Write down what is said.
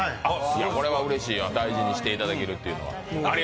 これはうれしいわ、大事にしていただけるというのは。